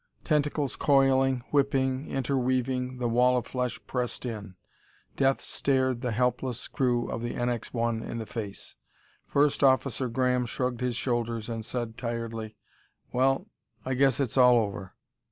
Tentacles coiling, whipping, interweaving, the wall of flesh pressed in. Death stared the helpless crew of the NX 1 in the face. First Officer Graham shrugged his shoulders and said tiredly: "Well, I guess it's all over....